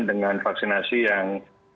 dengan vaksinasi yang